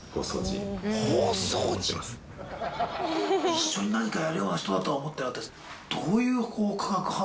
一緒に何かやるような人だとは思ってなかったです。